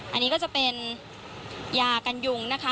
อันนี้ก็จะเป็นยากันยุงนะคะ